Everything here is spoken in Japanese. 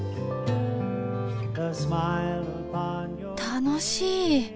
楽しい。